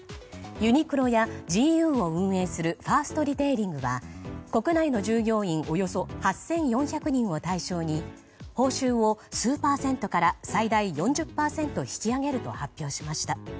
ユニクロやＧＵを運営するファーストリテイリングは国内の従業員およそ８４００人を対象に報酬を数パーセントから最大４０％引き上げると発表しました。